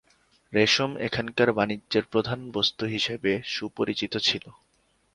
রেশম এখানকার বাণিজ্যের প্রধান বস্তু হিসাবে সুপরিচিত ছিল।